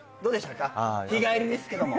日帰りですけども。